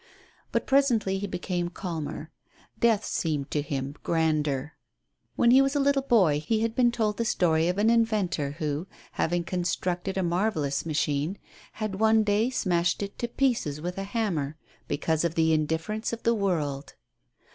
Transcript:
But presently he became calmer, death seemed to him grander. When he was a little boy he had been told the story of an inventor who, having constructed a marvellous machine, had one day smashed it to pieces with a hammer because of the indifference of the world.